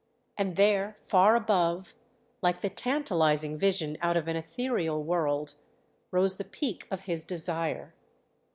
And there far above, like the tantalizing vision out of an ethereal world, rose the peak of his desire.